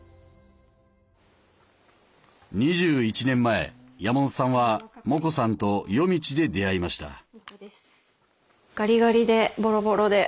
２１年前山本さんはモコさんと夜道で出会いました。